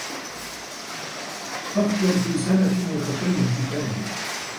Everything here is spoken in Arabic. فكر في سنة وتكلم في ثانية.